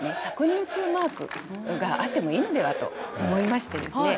搾乳中マークがあってもいいのではと思いましてですね